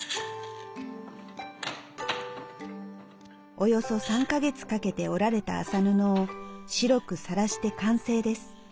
およそ３か月かけて織られた麻布を白くさらして完成です。